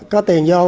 có tiền vô